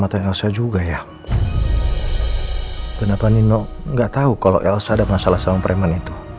apa yang akhir seven